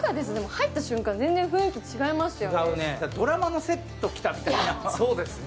入った瞬間、全然雰囲気違いますよね。